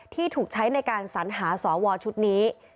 ที่ถูกใช้ในการสัญหาสวชุดนี้